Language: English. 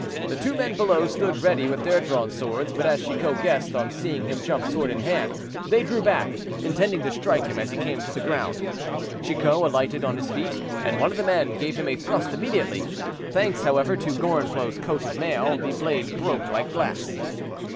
The two men below stood ready with their drawn swords, but, as Chicot guessed, on seeing him jump sword in hand, they drew back, intending to strike him as he came to the ground. Chicot alighted on his feet, and one of the men gave him a thrust immediately. Thanks, however, to Gorenflot's coat of mail, the blade broke like glass.